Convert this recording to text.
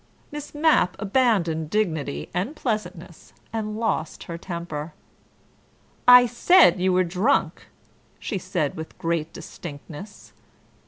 Miss Mapp abandoned dignity and pleasantness, and lost her temper. "I said you were drunk," she said with great distinctness.